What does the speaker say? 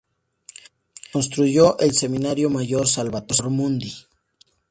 Se construyó el Seminario Mayor Salvator Mundi.